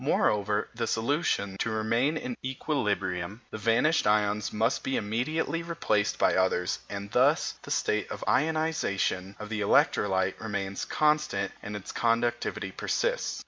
Moreover, for the solution to remain in equilibrium, the vanished ions must be immediately replaced by others, and thus the state of ionisation of the electrolyte remains constant and its conductivity persists.